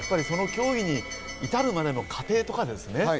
その競技に至るまでの過程とかですね。